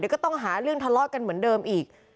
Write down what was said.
ก็ต้องหาเรื่องทะเลาะกันเหมือนเดิมอีก